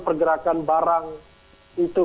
pergerakan barang itu